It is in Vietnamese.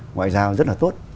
ngoại giao rất là tốt